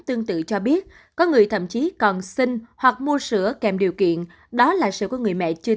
sữa mẹ cho biết có người thậm chí còn sinh hoặc mua sữa kèm điều kiện đó là sự có người mẹ chưa